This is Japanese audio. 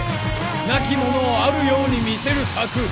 無きものを有るように見せる策。